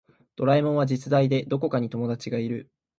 ドラえもんは実在でどこかに友達がいる